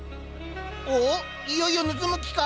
おっいよいよ盗む気か？